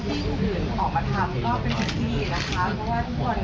แล้วก็ตัวตัดเก็บแล้วส่งไปให้ทางนี้เลย